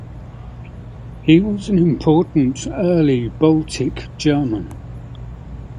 He was an important early Baltic German.